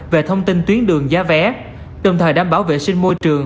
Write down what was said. về thông tin tuyến đường giá vé đồng thời đảm bảo vệ sinh môi trường